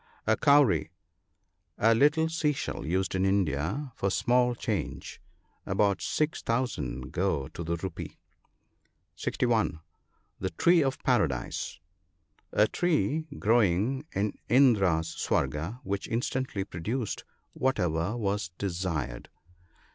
(60.) •A cowry. — The little sea shell used in India for small change. About 6,000 go to the rupee. (61.) The tree of Paradise. — A tree growing in Indra's Swarga, which instantly produced whatever was desired.